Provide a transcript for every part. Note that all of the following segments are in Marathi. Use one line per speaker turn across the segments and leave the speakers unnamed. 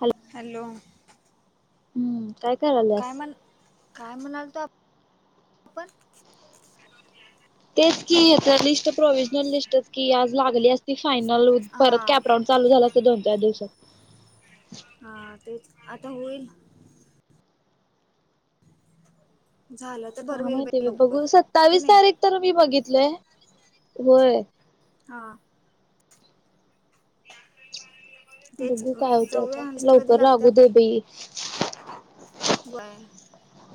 हॅलो
हॅलो
हम्म काय करायल्यास?
काय म्हण काय म्हणाल तो आपण?
तेच की हेच लिस्ट प्रोव्हजनल लिस्टच की आज लागली असती फायनल परत
हा
कॅपराऊंड चालू झाल असत दोन, चार दिवसात.
हा तेच आता होईल. झालं तर
का
बरं होईल
माहिती बाई
लवकर
बघू
का
सत्तावीस
नाही
तारीख तर मी बघितलय होय.
हा तेच
बघू काय होतय आता
जाऊया लिस्ट कधी
लवकर
लागत्या
लागू दे बई.
व्हय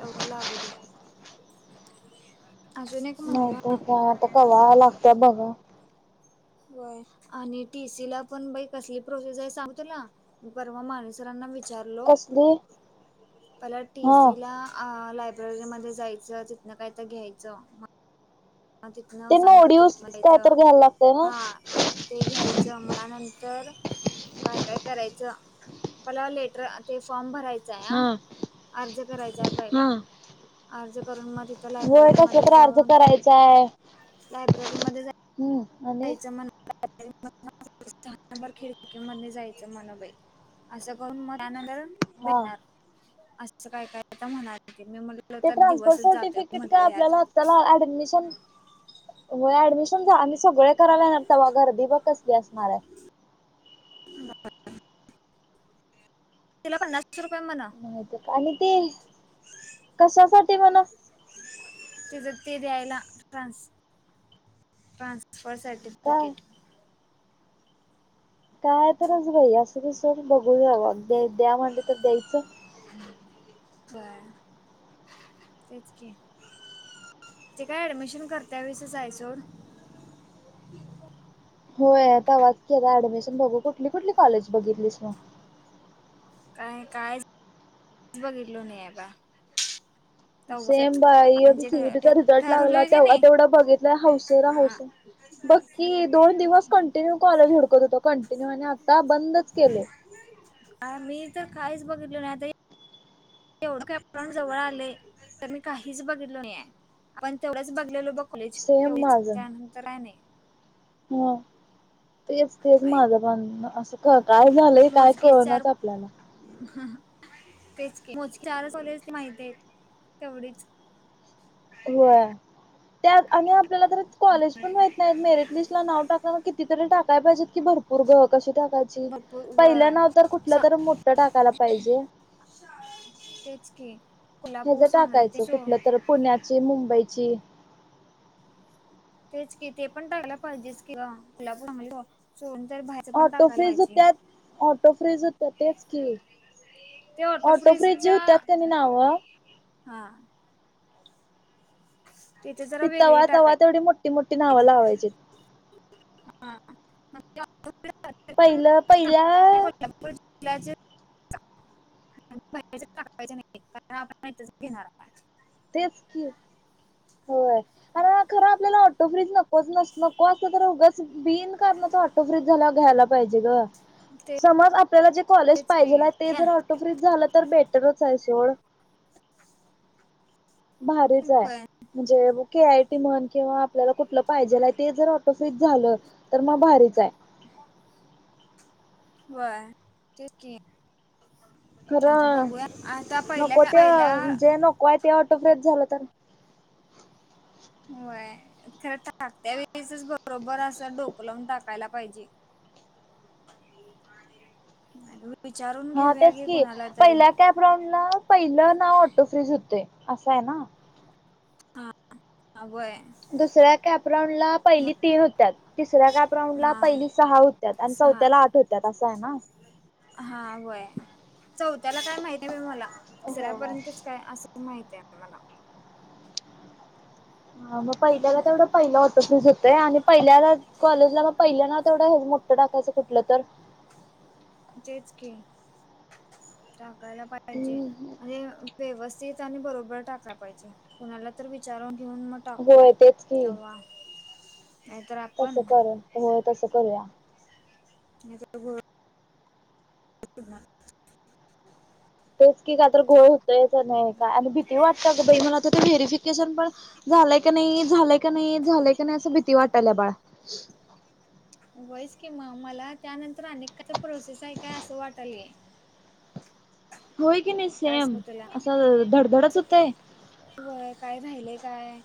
लवकर लागू दे. अजून एक
नाहीतर
महिना
काय आता कवा लागतय बघा
व्हय आणि टी सी ला पण बाई कसली प्रोसेस आहे सांगू तुला परवा माने सरांना विचार हॅलो
कसली
मला टी
हा
सी ला आ लाय [unintelligible] मध्ये जायचं तिथन काय तर घ्यायचं. ह तिथन
ते नोडीवूस
[unintelligible]
काय
द्यायचं
तर घ्यायला लागतंय ना?
हा. ते घ्यायचं अ मनंतर काय काय करायचं मला लेटर ते फॉर्म भरायचां आहे
हा
ह अर्ज करायचा आहे
हा.
पहिला. अर्ज करून मग तिथं
होय कसला
लायब्ररीमध्ये
तर अर्ज
जाऊन
[unintelligible]
लायब्ररीमध्ये जाय
हम्म आ
जायचं म [unintelligible] सहा नंबर खिडकी मध्ये जायचं मन बाई. असं करून मग त्यानंतर
हा.
भेटणार असं काय काय आता म्हणालती मी म्हणलो
ते ट्रान्सफर सर्टिफिकेटच आपल्याला आताला ऍडमिशन व्हय ऍडमिशन झा आणि सगळे कराला येणार तवा गर्दी ब कसली असणार आहे.
तिला पन्नास रुपये म्हणाव
आणि ते कशासाठी म्हण
तिज ते द्यायला ट्रानस ट्रान्सफर सा
काय
सरफिकेट.
काय तरच बाई असूदे सोड बघू [unintelligible] द्या म्हणल तर द्यायचं.
व्हय तेच की ते काय ऍडमिशन करत्यावेळीस जाय सोड. ह
होय तवाच की आता ऍडमिशन बघू कुठली कुठली कॉलेज बघितलीस मग?
काय काय बघितलो नाही आता.
सेम बाई सी ई टी चा रिझल्ट लागला
ठरवलोय की
तेव्हा
नाही
तेवढ बघितलंय हौसन हौस बक्की दोन दिवस कंटिन्यू कॉलेज हुडकत होतो कंटिन्यू आणि आता बंदच केलय.
आम्ही तर काहीच बघितलो नाही आता एवढं कॅप राऊंड जवळ आलंय तर मी काहीच बघितलो नाहीय आपण तेवढंच बघलेलो बघ कुलेज
सेम
तेवढळीच त्यानंतर आहे नाही.
हा तेच तेच माझं बांधण असं. का काय झालंय काय कळणारच आपल्याला.
तेचज चार चलेच माहिती आहे तेवढीच.
हो त्या आणि आपल्याला तर कॉलेज पण व्हाय. नाही मेरिट लिस्ट ला नाव टाक कितीतरी टाकाय पाहिजेत की भरपूर ग कशी टाकाय.
भरपूर
पहिलं नाव तर
व
कुठलं तर मोठं टाकायला पाहिजे.
तेच की.
ह्याच
कोल्हापूर सांगली ते
टाकायचं
सो
कुठलं तर पुण्याची मुंबईची.
तेच की ते पण टायल पाहिजे की ग कोच बाहेर
ऑटो फ्रीज त्यात ऑटो फ्रीज त्या तेच की
ते
ऑटो फ्रिरीज जे
फ्रीजच्या
होत्यात कनी नाव
हा तिथे ज..
ती तवा तवा तेवढी मोठी मोठी नाव लावायची.
हां
पहिलं पहिल..
डोक्यावर पडली प.. ल्या ज म्ह टाकायचे नाही कारण आपण माहिच घेणार काय?
तेच की, होय. आणि खरं आपल्याला ऑटो फ्रिरीज नकोचस नको असं तर उग बिन कारणाचं फ्रिज झाल्यावर घ्यायला पाहिजे ग,
ते
समज आपल्याला जे कॉलेज
तेच की
पाहिजेल आहे ते
काय
जर ऑटो फ्रीज झालं तर बेटरच आहे सोड.
[unintelligible]
भारीच आहे
होय
म्हणजे के. आय. टी. म्हण किंवा आपल्याला कुठलं पाहिजेला आहे ते जर ऑटो फ्रिज झालं तर मग भारीच आहे.
व्हय, तेच की आता
खरं
बघूया आता पहिल्या का पहिल्या
कोय ते तेव्हा तसंच झालं तर?
होय खरं टाकत्या वेळेचच बरोबर असं डोकलावून टाकायला पाहिजे. [unintelligible]
हा
घेऊया
तेच
घे
की
कोणाला तरी
पहिला कॅप राऊंडला पहिलं नाव ऑटो फ्रीज होते असं आहे ना.
हा.. ह व्हय
दुसऱ्या कॅपराऊंड ला पहिली ते होत्यात. तिसऱ्या काॅप राऊंडला
हा
पहिली सहा होत्या आणि
सहा
चौथ्याला आठ होत्या असं आहे ना.
हा व्हय चौथ्याला काय माहिती आहे म मला तिसऱ्यापर्यंतच काय अस माहिती आहे मला
हा मग पहिल्याला तेवढं पहिला होतं फीझ होतय आणि पहिल्याला कॉलेजला मग पहिल्या ना तेवढं मो टाकायचं कुठलं तर?
तेेच के टाकायला पाहिजे
हम्म
आणि व्यवस्थित आणि बरोबर टाकला पाहिजे, कुणाला तर विचारून घेऊन म टाकू या
होय तेच
तवा
तस करू हो तसं करूया.
मीज [inaudible]
तेच की काय तर घोळ होतोयच नाही का आणि भीती वाटत ग बाई मला आ ते व्हेरिफिकेशन पण झालंय का नाही, झालंय का नाही, झालंय का नाही असं भीती वाटायल्या बाळ.
व्हाईस की म मला त्यानंतर अनेक काय तर प्रोसेस आहे काय असं वाटायलय.
होय की नाही
काय
सेम
सांगू
असं धडधडच होतय.
व्हय काय राहिलेय काय.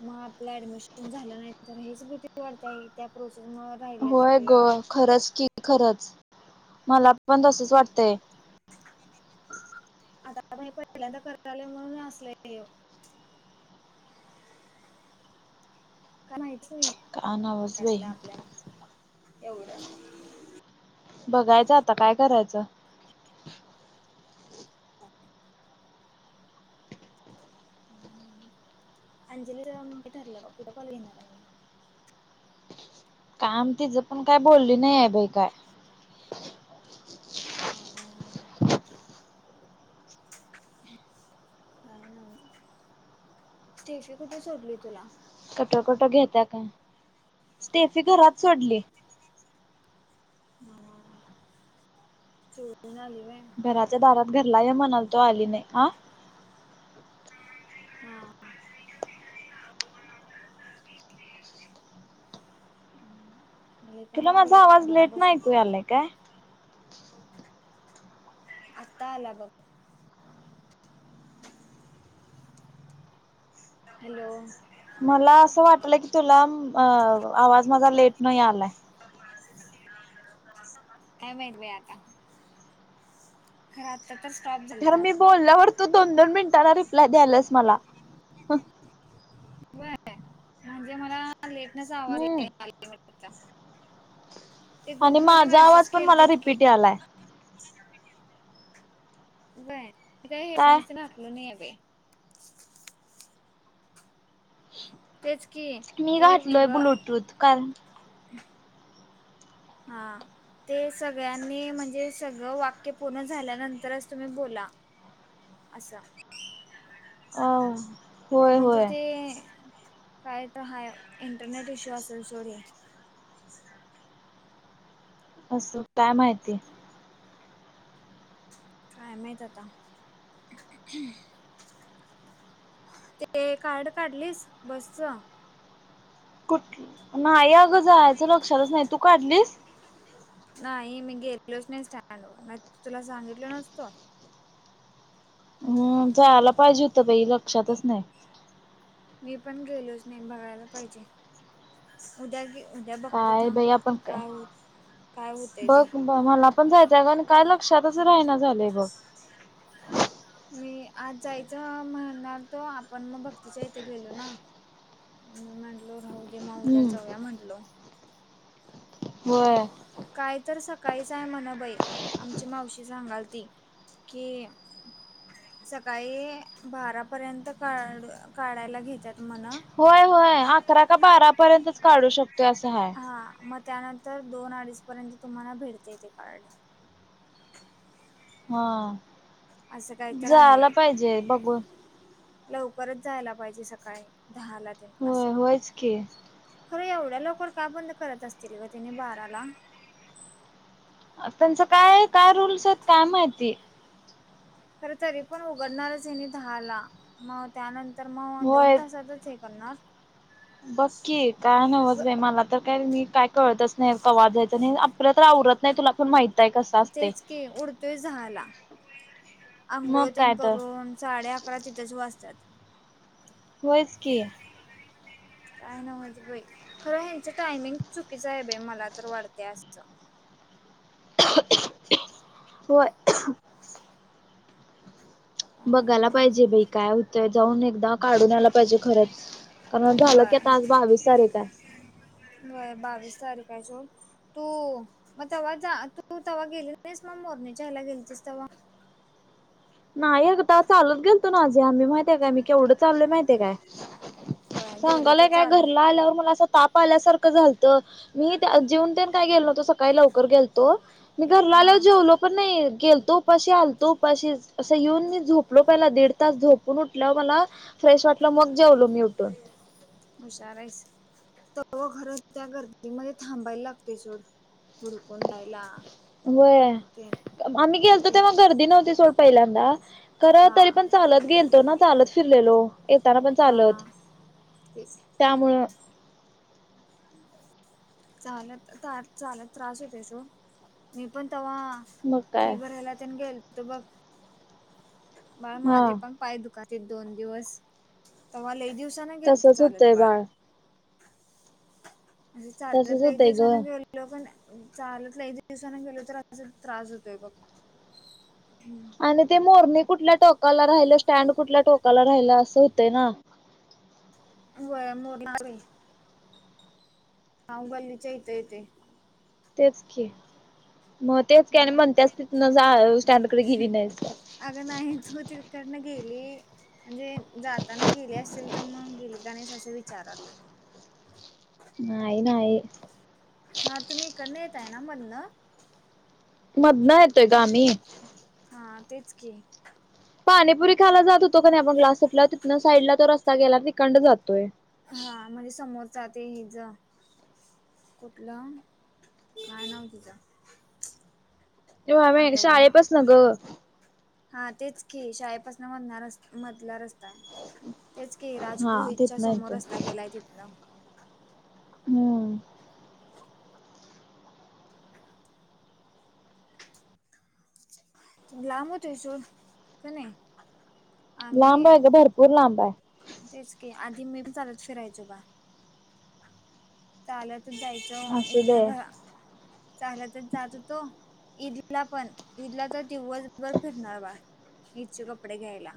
म आपलं ऍडमिशन झालं नाही तर हेच भीती वाढते त्या प्रोसेसमुळ.
होय ग खरंच की खरच मला पण तसच वाटतय.
आता बाई पहिल्यांदा करायलोय म्हणून असलं हे. काय माहीतीच नाहीेये
काय नवच बाई
त्यातलं आपल्या ना एवढं.
बघायचं आता काय करायचं?
हम्म अंजली का कुठे ठरलं म कुठे कॉल घेणार आहे म?
काम तिचं पण काय बोलली नाही आहे बाई काय.
हा. काय न्हव स्टेफी कुठे सोडली तुला?
कटो कटो घता्या का स्टेफी घरात सोडली.
हा सोडून आली व्हय.
घराच्या दारात घरला ये म्हणाल तो आली नाही आ.
हा. हम्म. ले
तुला
कंटाळ
माझा
आले
आवाज
घरा
लेट नाही
बसून.
ऐकू आलाय काय
आता आला बग. हॅलो.
मला असं वाटलं की तुला अ आवाज माझा लेट न यायलाय.
काय माहित बाई आता. खर आत्ता तर स्टॉप झा
खर मी बोलल्यावर तू दोन दोन मिनिटांला रिप्लाय द्यायल्यास मला.
व्हय म्हणजे मला लेटनच आवाज [inaudible]
हम्म
ते
आणि
ग्रुपमध्ये
माझा
मेसेज
आवाज पण मला
केलतीत की
रिपीट यालाय
व्हय मी काय हेडफोन्स ना आपलो नाही आहे बाई. तेच की
मी
कि
घातलोय
सगळं
ब्लूटूथ कारण
हा. ते सगळ्यांनी म्हणजे सगळं वाक्य पूर्ण झाल्यानंतरच तुम्ही बोला. असा.
अ होय
म्हणजे
होय
ते काय तर हाय इंटरनेट इश्यू असेल सोड हे.
असं काय माहिती.
काय माहित आता. ते कार्ड काढलीस बसच?
कुठ नाही अगं जायचं लक्षातच नाही तू काढलीस?
नाही मी गेलेलोच नाही स्टँड व नाही त तुला सांगितल नसतो.
हम जायला पाहिजे होतं बाई लक्षातच नाही.
मी पण गेलोच नाही बघायला पाहिजे. उद्या गे उद्या बघतो
काय
थांब
बाई आपण का
काय होत काय होतय ते
बघ मला पण जायचं आणि काय लक्षातच राहिना झालंय बघ
मी आज जायचं म्हणालतो आपण मग भक्तीच्या तिथे गेलो ना म म्हटलो राहू दे उद्या
हम्म
जाऊया म्हटलो
होय
काय तर सकाळीच आहे म्हण बाई आमची मावशी सांगालती की सकाळी बारा पर्यंत काढ काढायला घेत्यात
होय होय अकरा का बारा पर्यंतच काढू शकतोय असं हाय
हा म त्यानंतर दोन अडीच पर्यंत तुम्हाला भेटते ते कार्ड
हा
असं काही तर आहे
जायाला पाहिजे बघून
लवकरच जायाला पाहिजे सकाळी दहाला तेन अस
होय होयच की
खरं एवढ्या लवकर का बंद करत असतील ग त्यांनी बाराला
त्यांचं काय काय रूल्स आहेत काय माहिती
खर तरी पण उघडणारच ह्यांनी दहाला मग त्यानंतर म दोन तासातच हे करणार
बघकी काय
ग.
नव्हच बाई मला तर काय मी काय कळतच नाही कवा जायचं तेन आपल तर आवरत नाही तुला पण माहित आहे कसं असतय
तेच की ऊठतोयच दहाला
मग
आंघोळतेन
काय तर
करून साडे अकरा तिथंच वाजतात
होयच की
काय नव्हच बाई खरं ह्यांचं टायमिंग चुकीचं आहे बाई मला तर वाटतंय असं
होय
काय
बघायला
नव्हच
पाहिजे बाई काय होतंय जाऊन एकदा काढून आला पाहिजे खरंच कारण झालं की आता आज बावीस तारीख आहे
व्हय बावीस तारीख आहे सोड तू म तवा जा तू तवा गेली नाहीस म मोरणीच्याह्याला गेलतीस तवा
नाही अग तवा चालत गेलतो नवं आम्ही माहित माहीत आहे काय मी केवढं चाललोय माहित हाय काय
होय गेलो तर
सांगलोय काय
चालंल
घरला आल्यावर मला अस ताप आल्यासारखं झालत मी जेऊन तेन काय गेलो नवतो सकाळी लवकर गेलतो मी घरला
हा
आल्यावर जेवलो पण नाही गेलतो उपाशी आलतो उपाशीच असं येऊन मी झोपलो पहिला दीड तास झोपून उठल्यावर मला फ्रेश वाटलं मग जेवलो मी उठून
हुशार आहेस खर त्या गर्दीमध्ये थांबायला लागतंय सोड हुडकून द्यायला
होय आम्ही गेलतो तेव्हा
तेच
गर्दी नव्हती सोड पहिल्यांदा खरं
हा
तरी पण चालत गेलतो ना चालत फिरलेलो येताना पण चालत
हा तेच
त्यामुळं
[inaudible] चालत चालत त्रास होतोय सोड मी पण तवा
मग
फी
काय
भरायला तेन गेलतो बघ बाळ
हा
माझे पण पाय दुखालतीत दोन दिवस तवा लई दिवसान गेलतो
तसच
चालत
होतंय
बाळ म्हणजे चालत
तसच
लई
होतंय
दिवसान
ग
गेलो गेलो पण चालत लई दिवसांना गेलो तर अजून त्रास होतोय बघ हू
आणि ते मोरणी कुठल्या टोकाला राहिलं स्टँड कुठल्या टोकाला राहिलं असं होतंय ना.
व्हय मोर [unintelligible] नाव गल्लीच्या इथं येतंय.
तेच की, मग तेच की आणि म्हणत्यास तिथन जा हळू हळू स्टॅंडकड गेली नाहीस काय.
अगं नाही तू तिकडनं गेली म्हणजे जाताना गेली असशील तर मग गेलीस का नाहीस असं विचारालोय.
नाही. नाहि.
हा तुम्ही इकडन येताय ना मधन.
मधन येतोय ग आम्ही.
हा तेच की.
पाणीपुरी खायाला जात होतो क नाही आपण क्लास सुटल्यावर तिथनं साईडला तो रस्ता गेलाय तिकंड जातोय.
हा म्हणजे समोरचा ते हे जा कुठला काय नाव तिचा.
तेव्हा वेळ शाळेपसन ग.
हा तेच की, शाळेपासन मधणा रस्ता मधला रस्ता. तेच की
हा
राजपुरोहितच्या
तिथनं
समोर
येतोय
रस्ता गेलाय तितन.
हम्म
लांब होतोय सोड क नाही.
लांब
आम्ही
आहे ग भरपूर लांब आहे.
तेच की आधी मी बी चालत फिरायचो बा चालतच जायच चो
असू दे
इथनं घरा चालतच जात होतो. ईदला पण ईदला तर दिवसभर फिरणार बा ईदची कपडे घ्यायला.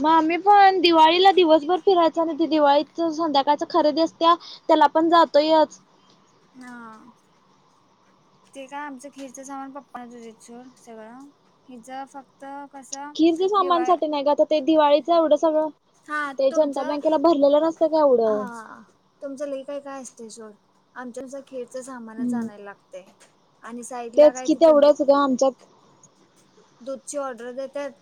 मग आम्ही पण दिवाळीला दिवसभर फिरायच आणि दि दिवाळीच संध्याकाळच खरेदि असत्या. त्याला पण जातोयचं.
हा. ते काय आमचं खिरीचं सामान पप्पा आणत होतीत सोड सगळं खिरीच फक् तर कसं
खीरच
दिवाळ
सामानसाठी नाही ग आता ते दिवाळीच एवढ सगळ
हा
ते जनता
तुमचं
बँकेला भरलेलं नसतंय काय एवढ.
हा तुमचं लय काय काय असतंय सोड आमच कस खिरीच सामानच
हम्म.
आणाय लागतय आणि साईडला
तेच
काय
कि
तिथं
तेवढंच ग
[unintelligible]
आमच्यात
दूधची ऑर्डर देत्यात.